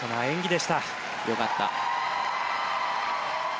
よかった。